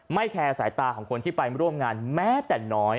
แคร์สายตาของคนที่ไปร่วมงานแม้แต่น้อย